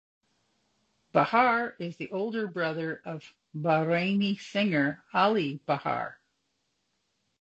Bahar is the older brother of Bahraini singer Ali Bahar.